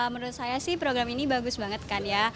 menurut saya sih program ini bagus banget kan ya